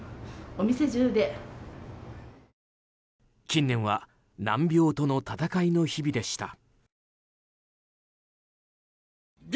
近年は難病との闘いの日々でした。